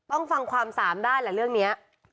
อ่าต้องฟังความสามด้านแหละเรื่องเนี้ย